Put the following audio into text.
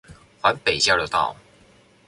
環北交流道